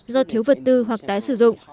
do thiếu vật tư hoặc tái sử dụng